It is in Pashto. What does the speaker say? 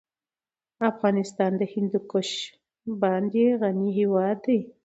افغانستان په هندوکش باندې غني هېواد دی.